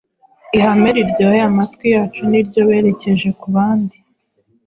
Ihame riryohera amatwi yacu Niryo berekeje ku bandi.